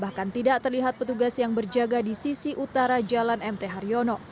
bahkan tidak terlihat petugas yang berjaga di sisi utara jalan mt haryono